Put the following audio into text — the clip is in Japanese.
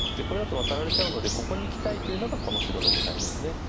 これだとワタられちゃうのでここにいきたいというのがこの白の狙いです。